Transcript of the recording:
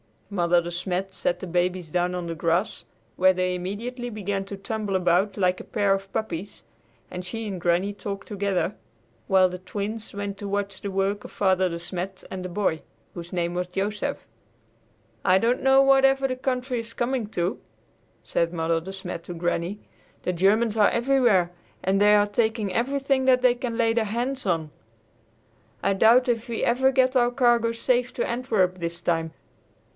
Mother De Smet set the babies down on the grass, where they immediately began to tumble about like a pair of puppies, and she and Granny talked together, while the Twins went to watch the work of Father De Smet and the boy, whose name was Joseph. "I don't know whatever the country is coming to," said Mother De Smet to Granny. "The Germans are everywhere, and they are taking everything that they can lay their hands on. I doubt if we ever get our cargo safe to Antwerp this time.